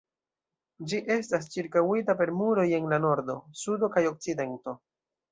Ĝi estas ĉirkaŭita per muroj en la nordo, sudo kaj okcidento.